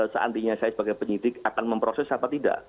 seandainya saya sebagai penyidik akan memproses apa tidak